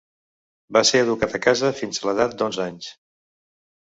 Va ser educat a casa fins a l'edat d'onze anys.